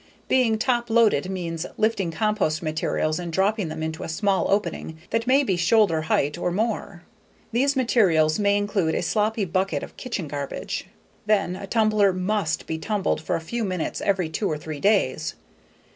Being top loaded means lifting compost materials and dropping them into a small opening that may be shoulder height or more. These materials may include a sloppy bucket of kitchen garbage. Then, a tumbler must be tumbled for a few minutes every two or three days.